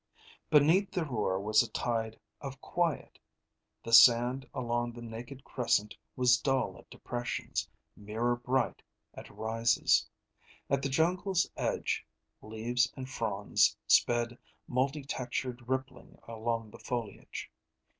Beneath the roar was a tide of quiet. The sand along the naked crescent was dull at depressions, mirror bright at rises. At the jungle's edge, leaves and fronds sped multi textured rippling along the foliage.